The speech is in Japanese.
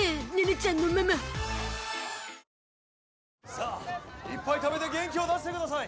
さあいっぱい食べて元気を出してください。